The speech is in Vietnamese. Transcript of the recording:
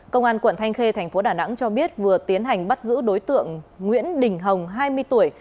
công an tp hà nội cho biết vừa tiến hành bắt giữ đối tượng nguyễn đình hồng hai mươi tuổi